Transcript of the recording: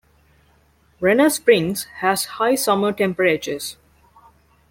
Renner Springs has high summer temperatures.